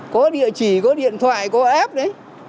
có địa chỉ có điện thoại có app đấy